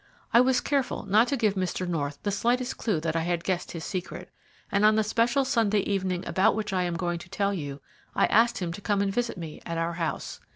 I was careful not to give Mr. North the slightest clue that I had guessed his secret, and on the special Sunday evening about which I am going to tell you I asked him to come and visit me at our house.